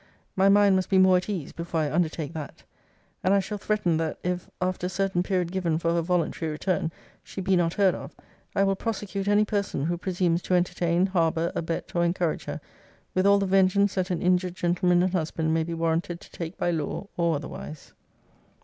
My mind must be more at ease, before I undertake that. And I shall threaten, 'that if, after a certain period given for her voluntary return, she be not heard of, I will prosecute any person who presumes to entertain, harbour, abet, or encourage her, with all the vengeance that an injured gentleman and husband may be warranted to take by law, or otherwise.'